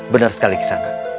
benar sekali kisanak